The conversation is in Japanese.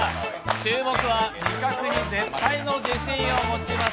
注目は味覚に絶対の自信を持ちます